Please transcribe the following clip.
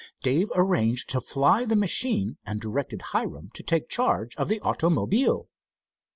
Dave arranged to fly the machine and directed Hiram to take charge of the automobile.